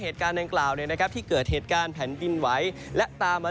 เหตุการณ์ดังกล่าวเนี่ยนะครับที่เกิดเหตุการณ์แผ่นดินไหวและตามมา